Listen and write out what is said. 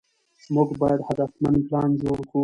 موږ باید هدفمند پلان جوړ کړو.